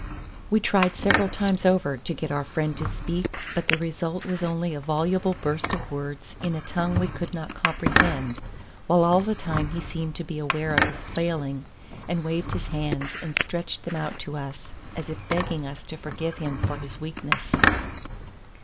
We tried several times over to get our friend to speak, but the result was only a voluble burst of words in a tongue we could not comprehend, while all the time he seemed to be aware of his failing, and waved his hands and stretched them out to us as if begging us to forgive him for his weakness.